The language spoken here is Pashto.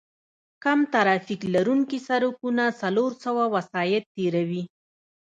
کم ترافیک لرونکي سړکونه څلور سوه وسایط تېروي